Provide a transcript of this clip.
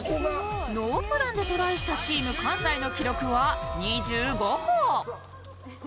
ノープランでトライしたチーム関西の記録は２５個。